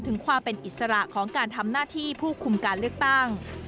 ถึงความเป็นอิสระของการทำหน้าที่ผู้คุมการเลือกตั้ง